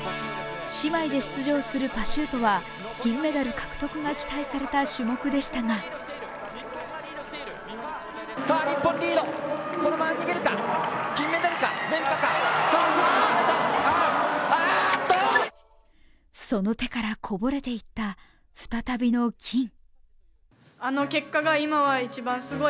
姉妹で出場するパシュートは金メダル獲得が期待された種目でしたがその手からこぼれていった再びの金。